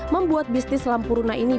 membuat bisnis lampu runa ini